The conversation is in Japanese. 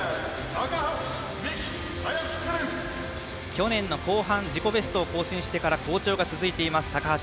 去年の後半、自己ベストを更新してから好調が続いています、高橋。